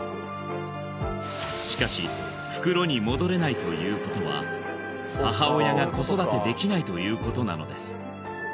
しかし袋に戻れないということは母親が子育てできないということなのです